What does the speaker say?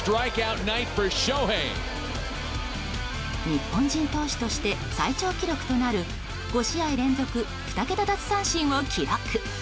日本人投手として最長記録となる５試合連続２桁奪三振を記録。